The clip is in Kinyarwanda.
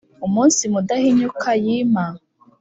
umunsi mudahinyuka yima